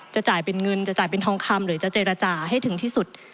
จ่ายเป็นเงินจะจ่ายเป็นทองคำหรือจะเจรจาให้ถึงที่สุด